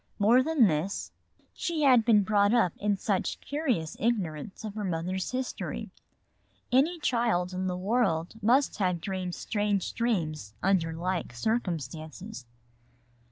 More than this, she had been brought up in such curious ignorance of her mother's history. Any child in the world must have dreamed strange dreams under like circumstances.